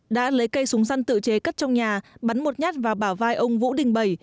đã lấy cây súng săn tự chế cất trong nhà bắn một nhát vào bảo vai ông vũ đình bảy